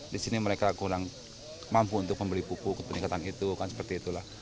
di sini mereka kurang mampu untuk membeli pupuk peningkatan itu kan seperti itulah